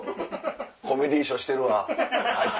コメディーショーしてるわあいつ。